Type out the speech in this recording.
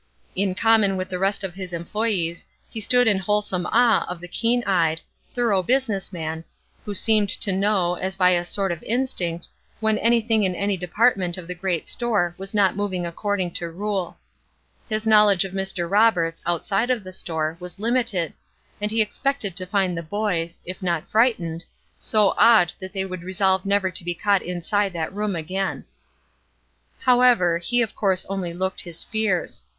In common with the rest of his employees, he stood in wholesome awe of the keen eyed, thorough business man, who seemed to know, as by a sort of instinct, when anything in any department of the great store was not moving according to rule. His knowledge of Mr. Roberts, outside of the store, was limited, and he expected to find the boys, if not frightened, so awed that they would resolve never to be caught inside that room again. However, he of course only looked his fears.